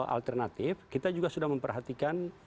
alternatif kita juga sudah memperhatikan